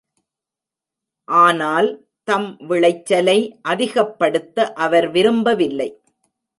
ஆனால் தம் விளைச்சலை அதிகப்படுத்த அவர் விரும்பவில்லை.